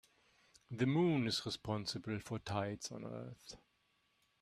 The moon is responsible for tides on earth.